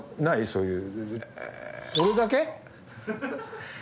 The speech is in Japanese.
そういう。